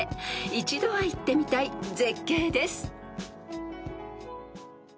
一度は行ってみたい絶景です］